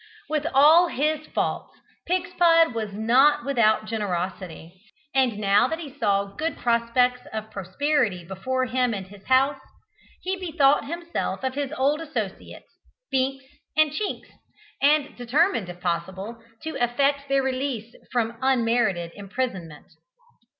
With all his faults Pigspud was not without generosity, and now that he saw good prospects of prosperity before him and his house, he bethought himself of his old associates, Binks and Chinks, and determined, if possible, to effect their release from unmerited imprisonment.